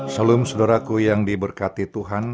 salum saudaraku yang diberkati tuhan